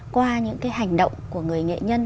qua những cái hành động của người nghệ nhân